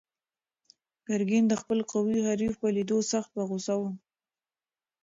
ګرګین د خپل قوي حریف په لیدو سخت په غوسه و.